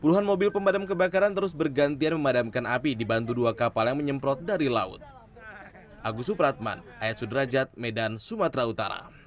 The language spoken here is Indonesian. puluhan mobil pemadam kebakaran terus bergantian memadamkan api dibantu dua kapal yang menyemprot dari laut